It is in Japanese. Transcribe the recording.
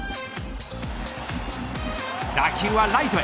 打球はライトへ。